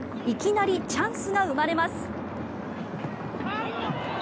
いきなりチャンスが生まれます。